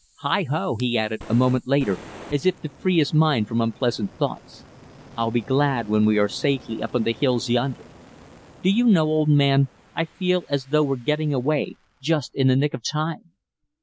Heigho," he added a moment later as if to free his mind from unpleasant thoughts, "I'll be glad when we are safely up in the hills yonder. Do you know, old man, I feel as though we're getting away just in the nick of time.